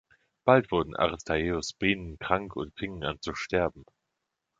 Bald wurden Aristaeus’ Bienen krank und fingen an zu sterben.